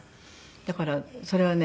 だからそれはね